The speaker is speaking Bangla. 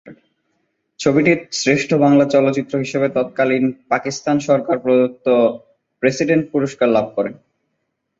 ছবিটি শ্রেষ্ঠ বাংলা চলচ্চিত্র হিসেবে তৎকালীন পাকিস্তান সরকার প্রদত্ত প্রেসিডেন্ট পুরস্কার লাভ করে।